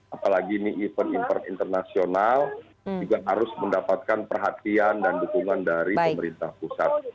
apalagi ini event event internasional juga harus mendapatkan perhatian dan dukungan dari pemerintah pusat